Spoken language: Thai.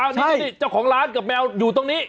นี่เจ้าของร้านกับแมวอยู่ตรงนี้